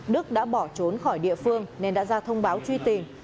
đức đã bỏ trốn khỏi địa phương nên đã ra thông báo truy tìm